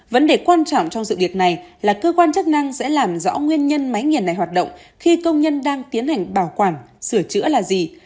vấn đề quan trọng trong dự định này là cơ quan chức năng sẽ làm rõ nguyên nhân máy nghiền này hoạt động khi công nhân đang tiến hành bảo quản sửa chữa là gì